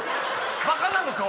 バカなのか？